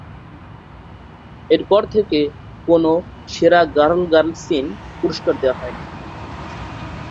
এরপর থেকে কোনো "সেরা গার্ল-গার্ল সিন" পুরস্কার দেওয়া হয়নি।